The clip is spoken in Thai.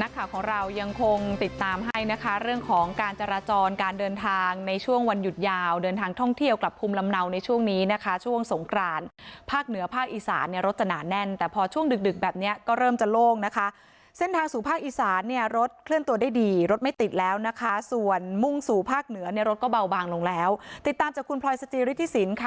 นักข่าวของเรายังคงติดตามให้นะคะเรื่องของการจราจรการเดินทางในช่วงวันหยุดยาวเดินทางท่องเที่ยวกลับภูมิลำเนาในช่วงนี้นะคะช่วงสงกรานภาคเหนือภาคอีสานเนี่ยรถจะหนาแน่นแต่พอช่วงดึกดึกแบบเนี้ยก็เริ่มจะโล่งนะคะเส้นทางสู่ภาคอีสานเนี่ยรถเคลื่อนตัวได้ดีรถไม่ติดแล้วนะคะส่วนมุ่งสู่ภาคเหนือเนี่ยรถก็เบาบางลงแล้วติดตามจากคุณพลอยสจิริธิสินค่ะ